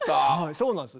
そうなんです。